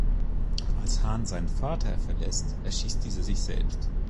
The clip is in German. Als Han seinen Vater verlässt, erschießt dieser sich selbst.